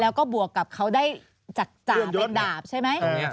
แล้วก็บวกกับเขาได้จากจ่าเป็นดาบใช่ไหม